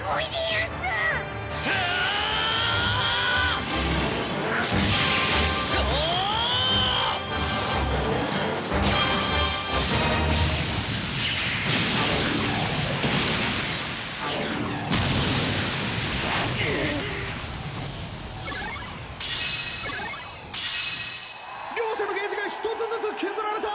うおっ！！両者のゲージが１つずつ削られた！